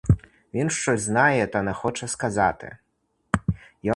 Він щось знає, та не хоче сказати!